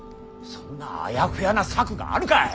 そんなあやふやな策があるかい！